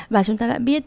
và chúng ta đã biết